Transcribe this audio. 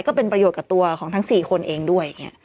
ก็เป็นประโยชน์กับตัวของทั้ง๔คนเองด้วย